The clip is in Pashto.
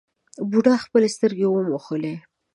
بوډا خپلې سترګې وموښلې.